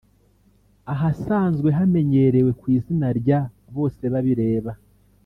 Ahasanzwe hamenyerewe ku izina rya “Bose Babireba”